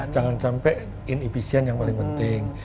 jangan sampai inefisien yang paling penting